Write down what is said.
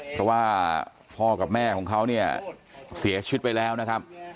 เพราะว่าพ่อกับแม่ของเขาเนี่ยเสียชีวิตไปแล้วนะครับ